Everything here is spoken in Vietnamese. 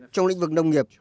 trong lĩnh vực nông nghiệp